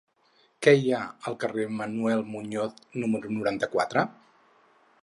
Què hi ha al carrer de Manuel Muñoz número noranta-quatre?